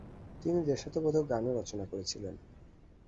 তিনি দেশাত্মবোধক গানও রচনা করেছিলেন।